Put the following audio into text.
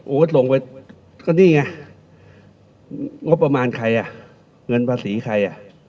อู๊สส่งไปก็นี่ไงงบประมาณใครเงินภาษีใคร